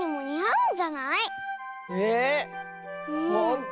うん！